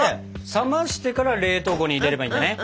冷ましてから冷凍庫に入れればいいんだね？